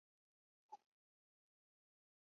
贵州木瓜红为安息香科木瓜红属下的一个种。